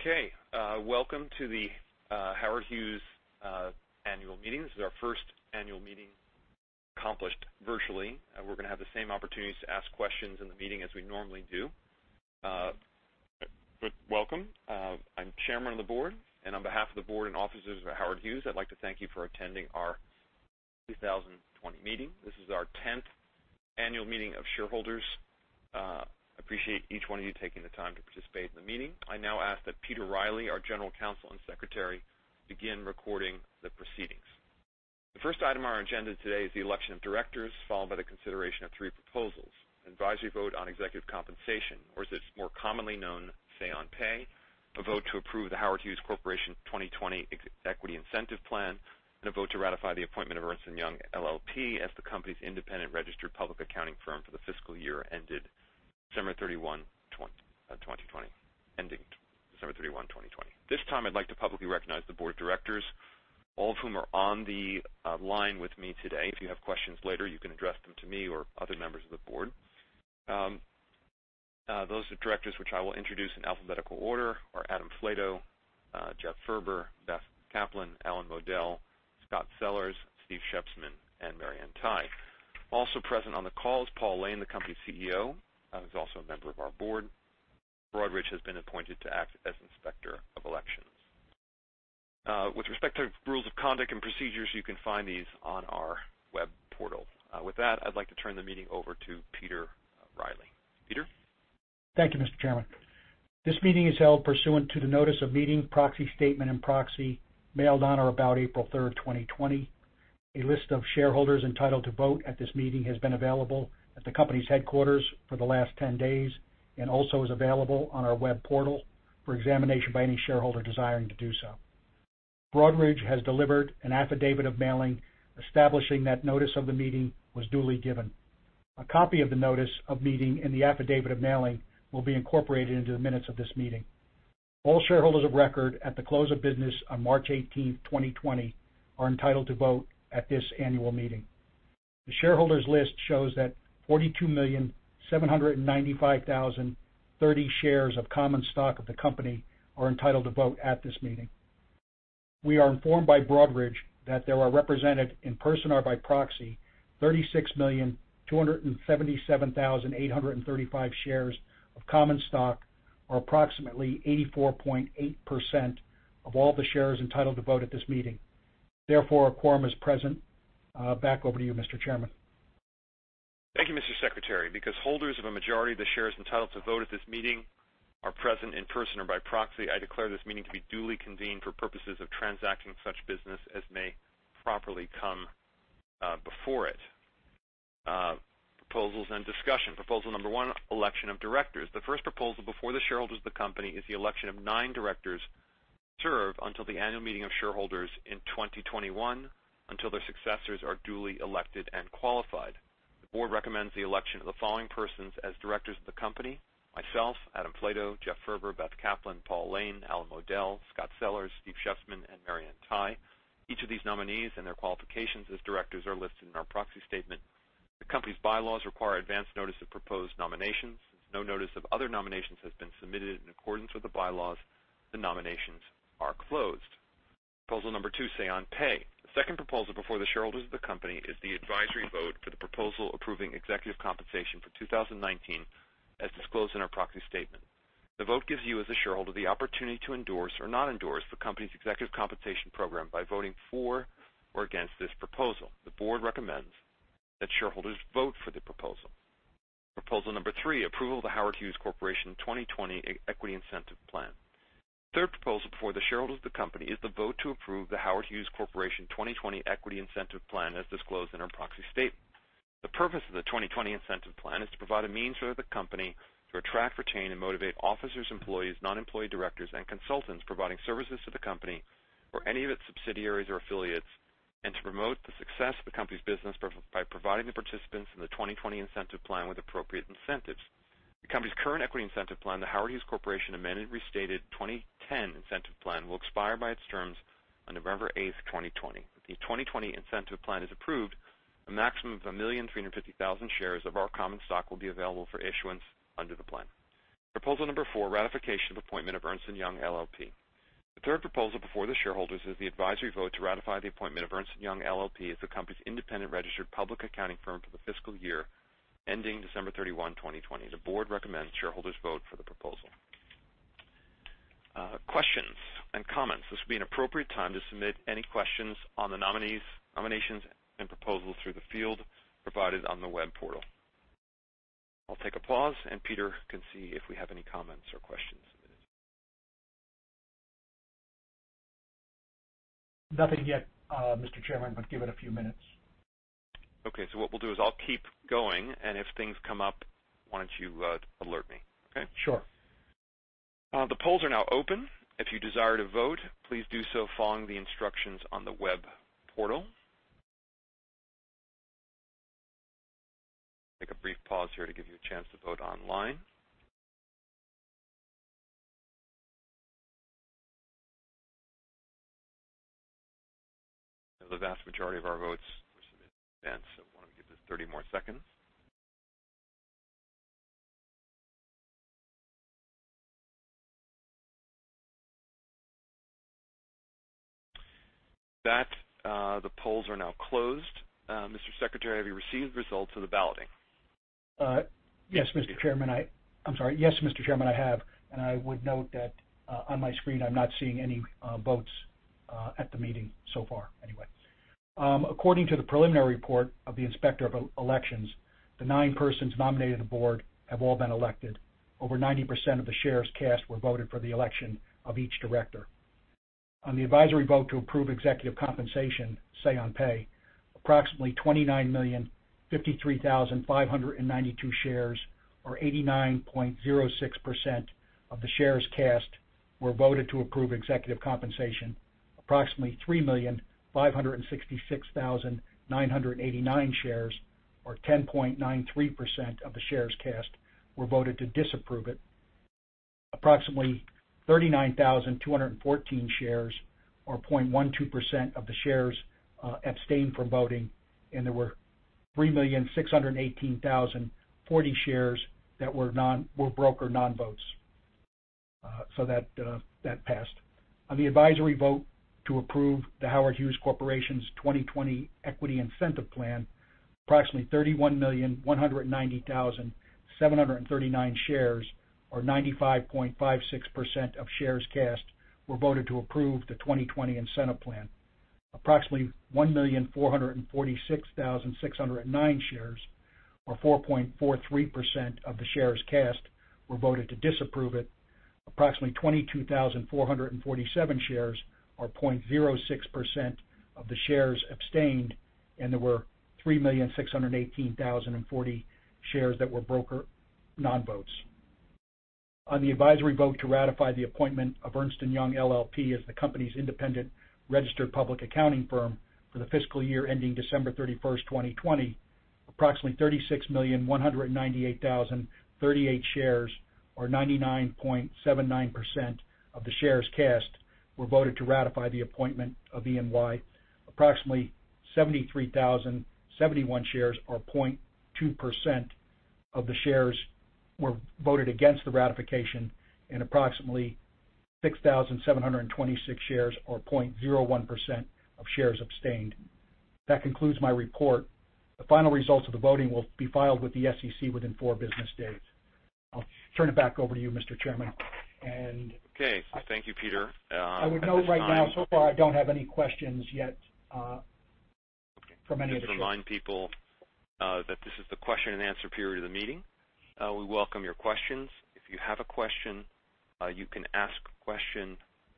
Okay. Welcome to the Howard Hughes annual meeting. This is our first annual meeting accomplished virtually. We're going to have the same opportunities to ask questions in the meeting as we normally do. Welcome. I'm Chairman of the Board, and on behalf of the Board and officers of Howard Hughes, I'd like to thank you for attending our 2020 meeting. This is our 10th annual meeting of shareholders. I appreciate each one of you taking the time to participate in the meeting. I now ask that Peter Riley, our General Counsel and Secretary, begin recording the proceedings. The first item on our agenda today is the election of directors, followed by the consideration of three proposals. Advisory vote on executive compensation, or as it's more commonly known, say on pay, a vote to approve The Howard Hughes Corporation 2020 Equity Incentive Plan, and a vote to ratify the appointment of Ernst & Young LLP as the company's independent registered public accounting firm for the fiscal year ending December 31, 2020. This time, I'd like to publicly recognize the board of directors, all of whom are on the line with me today. If you have questions later, you can address them to me or other members of the board. Those are the directors which I will introduce in alphabetical order are Adam Flatto, Jeff Furber, Beth Kaplan, Allen Model, Scot Sellers, Steve Shepsman, and Mary Ann Tighe. Also present on the call is Paul Layne, the company's CEO, who's also a member of our board. Broadridge has been appointed to act as inspector of elections. With respect to rules of conduct and procedures, you can find these on our web portal. With that, I'd like to turn the meeting over to Peter Riley. Peter? Thank you, Mr. Chairman. This meeting is held pursuant to the notice of meeting, proxy statement and proxy mailed on or about April 3rd, 2020. A list of shareholders entitled to vote at this meeting has been available at the company's headquarters for the last 10 days and also is available on our web portal for examination by any shareholder desiring to do so. Broadridge has delivered an affidavit of mailing establishing that notice of the meeting was duly given. A copy of the notice of meeting and the affidavit of mailing will be incorporated into the minutes of this meeting. All shareholders of record at the close of business on March 18th, 2020, are entitled to vote at this annual meeting. The shareholders list shows that 42,795,030 shares of common stock of the company are entitled to vote at this meeting. We are informed by Broadridge that there are represented, in person or by proxy, 36,277,835 shares of common stock, or approximately 84.8% of all the shares entitled to vote at this meeting. Therefore, a quorum is present. Back over to you, Mr. Chairman. Thank you, Mr. Secretary. Because holders of a majority of the shares entitled to vote at this meeting are present in person or by proxy, I declare this meeting to be duly convened for purposes of transacting such business as may properly come before it. Proposals and discussion. Proposal number one, election of directors. The first proposal before the shareholders of the company is the election of nine directors to serve until the annual meeting of shareholders in 2021, until their successors are duly elected and qualified. The board recommends the election of the following persons as directors of the company: myself, Adam Flatto, Jeff Furber, Beth Kaplan, Paul Layne, Allen Model, Scot Sellers, Steve Shepsman, and Mary Ann Tighe. Each of these nominees and their qualifications as directors are listed in our proxy statement. The company's bylaws require advance notice of proposed nominations. Since no notice of other nominations has been submitted in accordance with the bylaws, the nominations are closed. Proposal number 2, say on pay. The second proposal before the shareholders of the company is the advisory vote for the proposal approving executive compensation for 2019 as disclosed in our proxy statement. The vote gives you as a shareholder the opportunity to endorse or not endorse the company's executive compensation program by voting for or against this proposal. The board recommends that shareholders vote for the proposal. Proposal number 3, approval of The Howard Hughes Corporation 2020 Equity Incentive Plan. The third proposal before the shareholders of the company is the vote to approve The Howard Hughes Corporation 2020 Equity Incentive Plan as disclosed in our proxy statement. The purpose of the 2020 Incentive Plan is to provide a means for the company to attract, retain, and motivate officers, employees, non-employee directors, and consultants providing services to the company or any of its subsidiaries or affiliates, and to promote the success of the company's business by providing the participants in the 2020 Incentive Plan with appropriate incentives. The company's current equity incentive plan, The Howard Hughes Corporation Amended and Restated 2010 Incentive Plan, will expire by its terms on November 8th, 2020. If the 2020 Incentive Plan is approved, a maximum of 1,350,000 shares of our common stock will be available for issuance under the plan. Proposal number 4, ratification of appointment of Ernst & Young LLP. The third proposal before the shareholders is the advisory vote to ratify the appointment of Ernst & Young LLP as the company's independent registered public accounting firm for the fiscal year ending December 31, 2020. The board recommends shareholders vote for the proposal. Questions and comments. This would be an appropriate time to submit any questions on the nominations and proposals through the field provided on the web portal. I'll take a pause, and Peter can see if we have any comments or questions. Nothing yet, Mr. Chairman, but give it a few minutes. Okay. What we'll do is I'll keep going, and if things come up, why don't you alert me? Okay? Sure. The polls are now open. If you desire to vote, please do so following the instructions on the web portal. Take a brief pause here to give you a chance to vote online. The vast majority of our votes were submitted in advance, so why don't we give this 30 more seconds. With that, the polls are now closed. Mr. Secretary, have you received results of the balloting? Yes, Mr. Chairman, I have. I would note that on my screen, I'm not seeing any votes at the meeting so far anyway. According to the preliminary report of the Inspector of Elections, the nine persons nominated to the board have all been elected. Over 90% of the shares cast were voted for the election of each director. On the advisory vote to approve executive compensation, say on pay, approximately 29,053,592 shares, or 89.06% of the shares cast, were voted to approve executive compensation. Approximately 3,566,989 shares, or 10.93% of the shares cast, were voted to disapprove it. Approximately 39,214 shares, or 0.12% of the shares, abstained from voting, and there were 3,618,040 shares that were broker non-votes. That passed. On the advisory vote to approve The Howard Hughes Corporation's 2020 Equity Incentive Plan, approximately 31,190,739 shares, or 95.56% of shares cast, were voted to approve the 2020 incentive plan. Approximately 1,446,609 shares, or 4.43% of the shares cast, were voted to disapprove it. Approximately 22,447 shares, or 0.06% of the shares, abstained, and there were 3,618,040 shares that were broker non-votes. On the advisory vote to ratify the appointment of Ernst & Young LLP as the company's independent registered public accounting firm for the fiscal year ending December 31st, 2020, approximately 36,198,038 shares, or 99.79% of the shares cast, were voted to ratify the appointment of EY. Approximately 73,071 shares, or 0.2% of the shares, were voted against the ratification, and approximately 6,726 shares, or 0.01% of shares, abstained. That concludes my report. The final results of the voting will be filed with the SEC within four business days. I'll turn it back over to you, Mr. Chairman. Okay. Thank you, Peter. At this time- I would note right now, so far, I don't have any questions yet from any of the shareholders. Just remind people that this is the question and answer period of the meeting. We welcome your questions. If you have a question, you can ask a question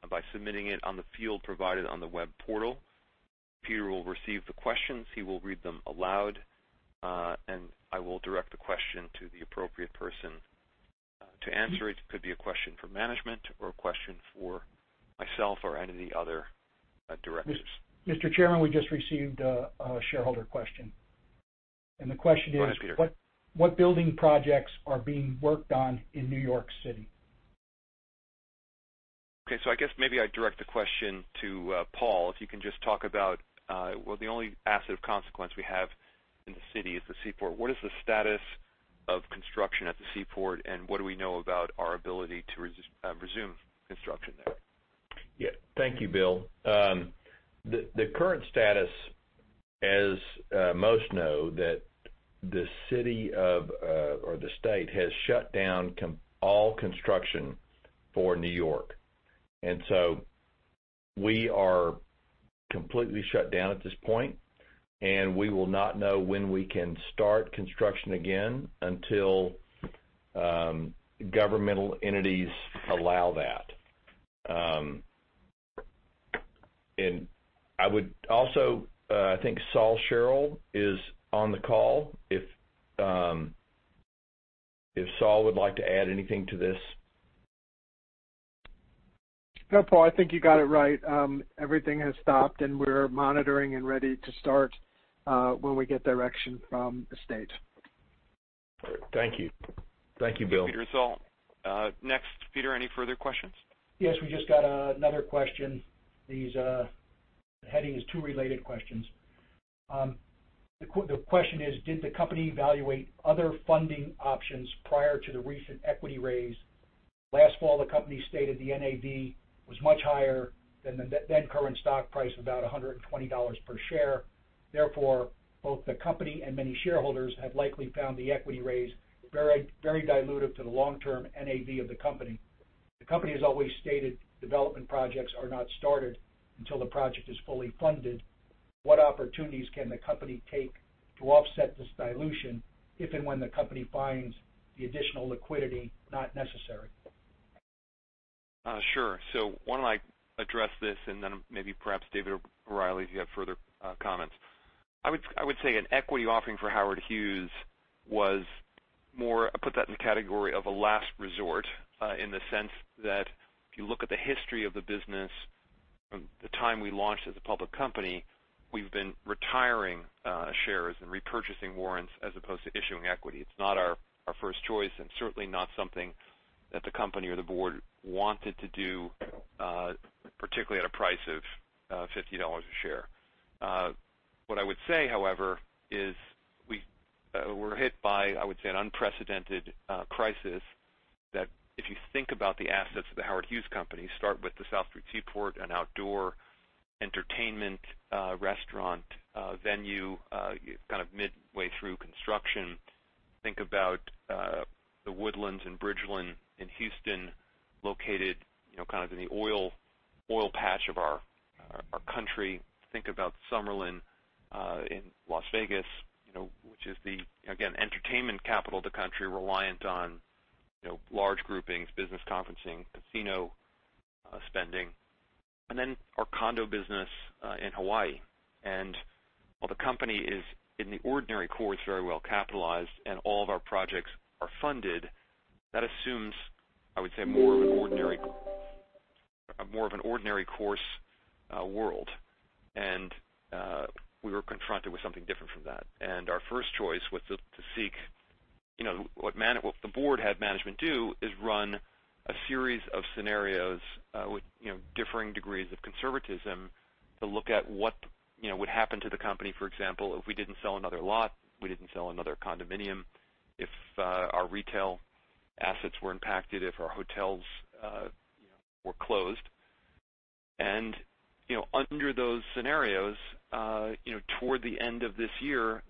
by submitting it on the field provided on the web portal. Peter will receive the questions. He will read them aloud, and I will direct the question to the appropriate person to answer it. It could be a question for management or a question for myself or any of the other directors. Mr. Chairman, we just received a shareholder question. The question is. Go ahead, Peter. What building projects are being worked on in New York City? I guess maybe I direct the question to Paul. If you can just talk about, well, the only asset of consequence we have in the city is the Seaport. What is the status of construction at the Seaport, and what do we know about our ability to resume construction there? Yeah. Thank you, Bill. The current status, as most know, that the state has shut down all construction for New York. We are completely shut down at this point, and we will not know when we can start construction again until governmental entities allow that. Also, I think Saul Scherl is on the call. If Saul would like to add anything to this. No, Paul, I think you got it right. Everything has stopped, and we're monitoring and ready to start when we get direction from the state. Great. Thank you. Thank you, Bill. Thank you, Peter and Saul. Next, Peter, any further questions? Yes, we just got another question. The heading is, "Two related questions." The question is, did the company evaluate other funding options prior to the recent equity raise? Last fall, the company stated the NAV was much higher than the then current stock price of about $120 per share. Therefore, both the company and many shareholders have likely found the equity raise very dilutive to the long-term NAV of the company. The company has always stated development projects are not started until the project is fully funded. What opportunities can the company take to offset this dilution if and when the company finds the additional liquidity not necessary? Why don't I address this, and then maybe perhaps David O'Reilly, if you have further comments. I would say an equity offering for Howard Hughes, I put that in the category of a last resort, in the sense that if you look at the history of the business from the time we launched as a public company, we've been retiring shares and repurchasing warrants as opposed to issuing equity. It's not our first choice and certainly not something that the company or the board wanted to do, particularly at a price of $50 a share. What I would say, however, is we were hit by, I would say, an unprecedented crisis that if you think about the assets of the Howard Hughes Company, start with the South Street Seaport, an outdoor entertainment restaurant venue, kind of midway through construction. Think about The Woodlands and Bridgeland in Houston, located in the oil patch of our country. Think about Summerlin in Las Vegas which is the, again, entertainment capital of the country, reliant on large groupings, business conferencing, casino spending, and then our condo business in Hawaii. While the company is in the ordinary course, very well capitalized, and all of our projects are funded, that assumes, I would say, more of an ordinary course world. We were confronted with something different from that. What the Board had management do is run a series of scenarios with differing degrees of conservatism to look at what would happen to the company, for example, if we didn't sell another lot, we didn't sell another condominium, if our retail assets were impacted, if our hotels were closed. Under those scenarios, toward the end of this year,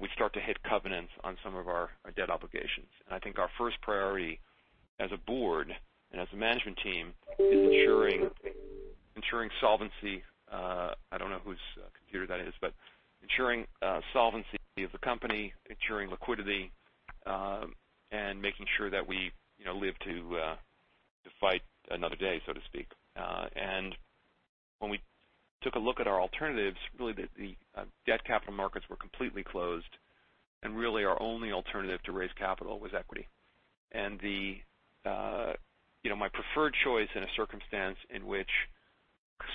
we'd start to hit covenants on some of our debt obligations. I think our first priority as a board and as a management team is ensuring solvency. I don't know whose computer that is, but ensuring solvency of the company, ensuring liquidity, and making sure that we live to fight another day, so to speak. When we took a look at our alternatives, really, the debt capital markets were completely closed, and really our only alternative to raise capital was equity. My preferred choice in a circumstance in which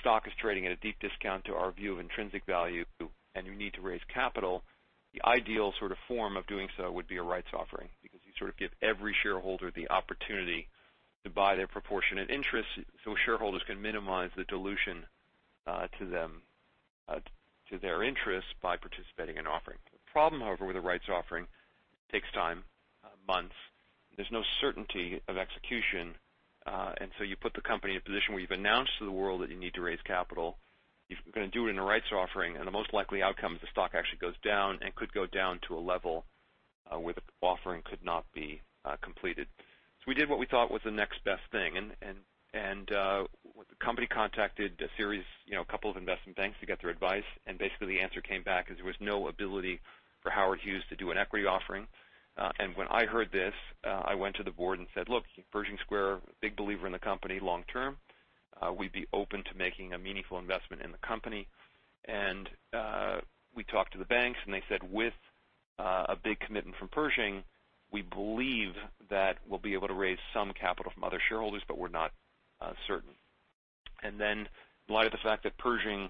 stock is trading at a deep discount to our view of intrinsic value and you need to raise capital, the ideal sort of form of doing so would be a rights offering. Because you sort of give every shareholder the opportunity to buy their proportionate interest, so shareholders can minimize the dilution to their interests by participating in an offering. The problem, however, with a rights offering, takes time, months. There's no certainty of execution. You put the company in a position where you've announced to the world that you need to raise capital. If you're going to do it in a rights offering and the most likely outcome is the stock actually goes down and could go down to a level where the offering could not be completed. We did what we thought was the next best thing. The company contacted a couple of investment banks to get their advice, and basically the answer came back as there was no ability for Howard Hughes to do an equity offering. When I heard this, I went to the board and said, "Look, Pershing Square, big believer in the company long term. We'd be open to making a meaningful investment in the company." We talked to the banks, and they said, "With a big commitment from Pershing, we believe that we'll be able to raise some capital from other shareholders, but we're not certain." In light of the fact that Pershing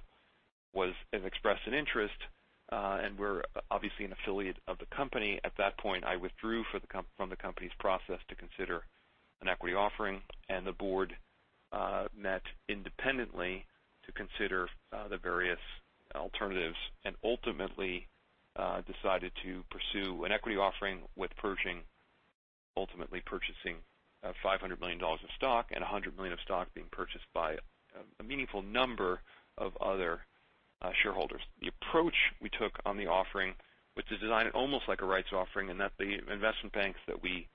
has expressed an interest, and we're obviously an affiliate of the company, at that point, I withdrew from the company's process to consider an equity offering. The board met independently to consider the various alternatives and ultimately decided to pursue an equity offering with Pershing, ultimately purchasing $500 million of stock and $100 million of stock being purchased by a meaningful number of other shareholders. The approach we took on the offering was to design it almost like a rights offering, in that the investment banks that we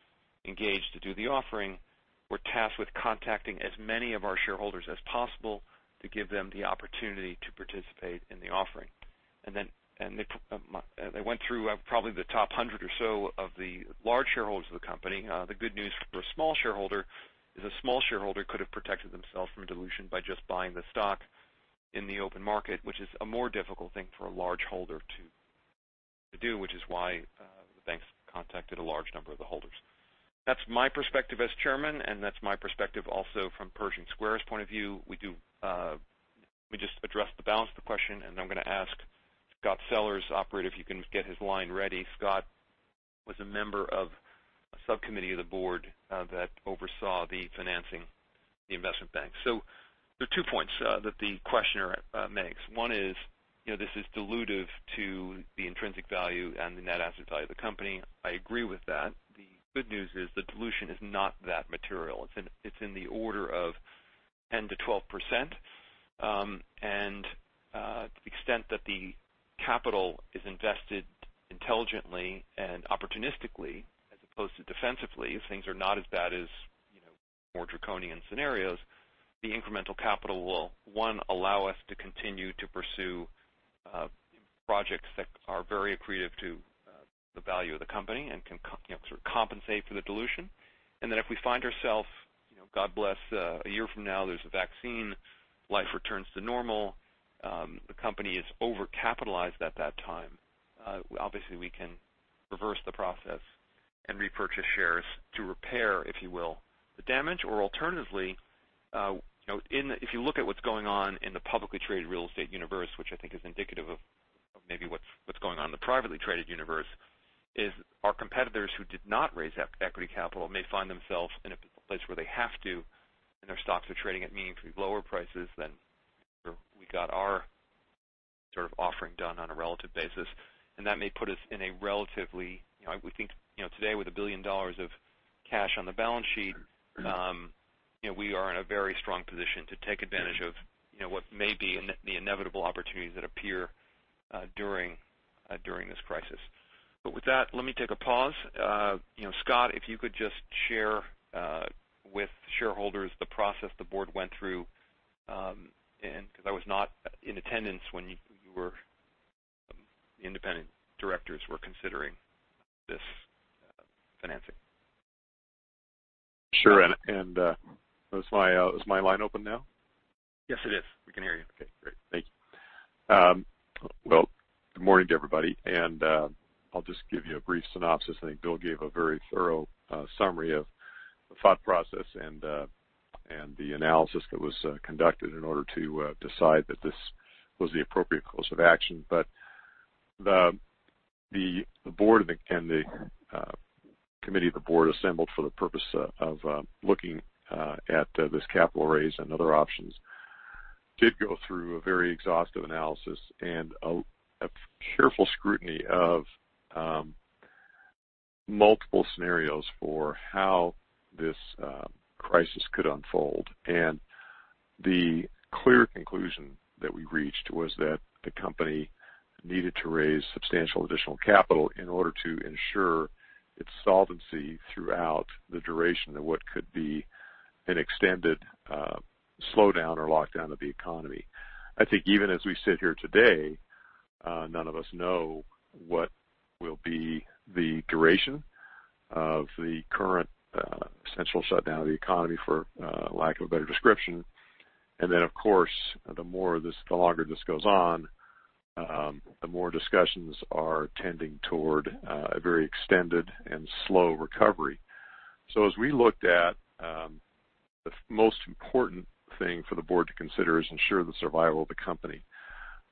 engaged to do the offering were tasked with contacting as many of our shareholders as possible to give them the opportunity to participate in the offering. They went through probably the top 100 or so of the large shareholders of the company. The good news for a small shareholder is a small shareholder could have protected themselves from dilution by just buying the stock in the open market, which is a more difficult thing for a large holder to do, which is why the banks contacted a large number of the holders. That's my perspective as chairman, and that's my perspective also from Pershing Square's point of view. Let me just address the balance of the question, and then I'm going to ask Scot Sellers' operator if you can get his line ready. Scot was a member of a subcommittee of the board that oversaw the financing, the investment bank. There are two points that the questioner makes. One is, this is dilutive to the intrinsic value and the net asset value of the company. I agree with that. The good news is the dilution is not that material. It's in the order of 10% to 12%, and to the extent that the capital is invested intelligently and opportunistically as opposed to defensively, if things are not as bad as more draconian scenarios, the incremental capital will, one, allow us to continue to pursue projects that are very accretive to the value of the company and can sort of compensate for the dilution. If we find ourselves, God bless, a year from now, there's a vaccine, life returns to normal, the company is overcapitalized at that time, obviously we can reverse the process and repurchase shares to repair, if you will, the damage. Alternatively, if you look at what's going on in the publicly traded real estate universe, which I think is indicative of maybe what's going on in the privately traded universe, is our competitors who did not raise equity capital may find themselves in a place where they have to, and their stocks are trading at meaningfully lower prices than we got our sort of offering done on a relative basis. We think today with $1 billion of cash on the balance sheet, we are in a very strong position to take advantage of what may be the inevitable opportunities that appear during this crisis. With that, let me take a pause. Scot, if you could just share with shareholders the process the board went through, and because I was not in attendance when the independent directors were considering this financing. Sure. Is my line open now? Yes, it is. We can hear you. Okay, great. Thank you. Well, good morning to everybody. I'll just give you a brief synopsis. I think Bill gave a very thorough summary of the thought process and the analysis that was conducted in order to decide that this was the appropriate course of action. The board and the committee of the board assembled for the purpose of looking at this capital raise and other options did go through a very exhaustive analysis and a careful scrutiny of multiple scenarios for how this crisis could unfold. The clear conclusion that we reached was that the company needed to raise substantial additional capital in order to ensure its solvency throughout the duration of what could be an extended slowdown or lockdown of the economy. I think even as we sit here today, none of us know what will be the duration of the current essential shutdown of the economy, for lack of a better description. Of course, the longer this goes on, the more discussions are tending toward a very extended and slow recovery. As we looked at the most important thing for the board to consider is ensure the survival of the company.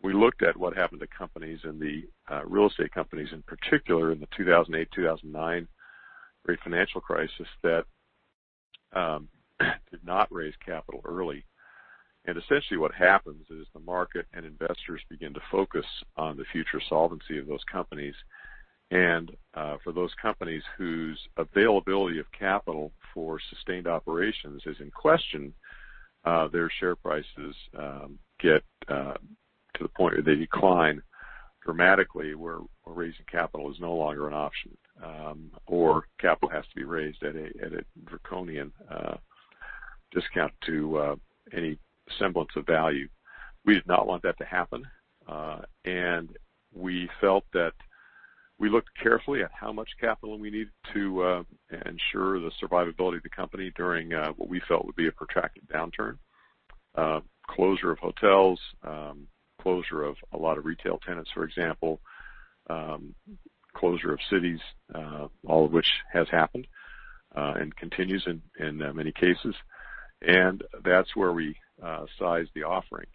We looked at what happened to companies, and the real estate companies in particular, in the 2008-2009 great financial crisis that did not raise capital early. Essentially what happens is the market and investors begin to focus on the future solvency of those companies. For those companies whose availability of capital for sustained operations is in question, their share prices get to the point where they decline dramatically, where raising capital is no longer an option, or capital has to be raised at a draconian discount to any semblance of value. We did not want that to happen. We felt that we looked carefully at how much capital we needed to ensure the survivability of the company during what we felt would be a protracted downturn. Closure of hotels, closure of a lot of retail tenants, for example, closure of cities, all of which has happened, and continues in many cases. That's where we sized the offering.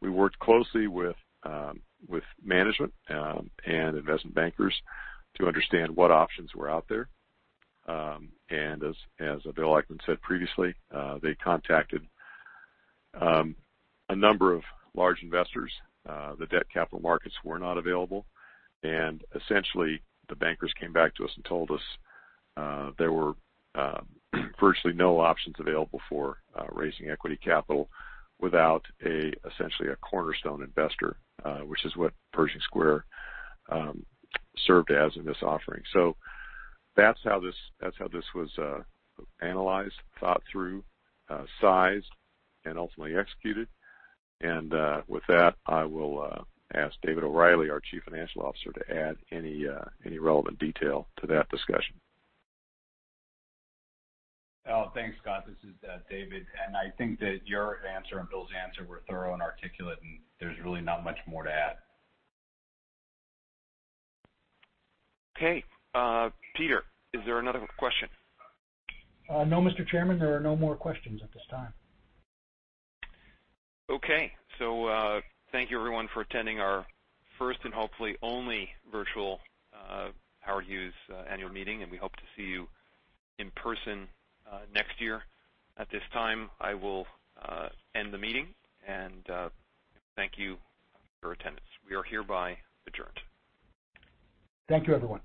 We worked closely with management and investment bankers to understand what options were out there. As Bill Ackman said previously, they contacted a number of large investors. The debt capital markets were not available. Essentially, the bankers came back to us and told us there were virtually no options available for raising equity capital without essentially a cornerstone investor, which is what Pershing Square served as in this offering. That's how this was analyzed, thought through, sized, and ultimately executed. With that, I will ask David O'Reilly, our Chief Financial Officer, to add any relevant detail to that discussion. Thanks, Scot. This is David. I think that your answer and Bill's answer were thorough and articulate, and there's really not much more to add. Okay. Peter, is there another question? No, Mr. Chairman, there are no more questions at this time. Okay. Thank you, everyone, for attending our first and hopefully only virtual Howard Hughes annual meeting, and we hope to see you in person next year. At this time, I will end the meeting, and thank you for attendance. We are hereby adjourned. Thank you, everyone.